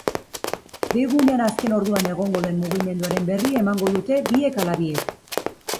Dei-gunean azken orduan egongo den mugimenduaren berri emango dute biek ala biek.